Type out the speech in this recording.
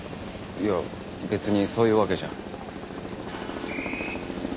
いや別にそういうわけじゃ。